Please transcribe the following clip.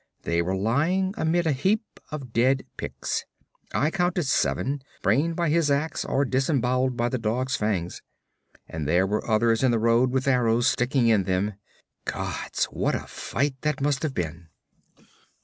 They were lying amid a heap of dead Picts I counted seven, brained by his ax, or disemboweled by the dog's fangs, and there were others in the road with arrows sticking in them. Gods, what a fight that must have been!'